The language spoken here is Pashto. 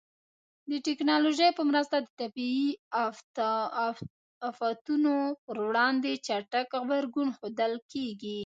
د ټکنالوژۍ په مرسته د طبیعي آفاتونو پر وړاندې چټک غبرګون ښودل کېږي.